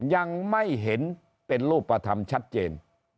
ยังไม่เห็นเป็นรูปธรรมชัดเจน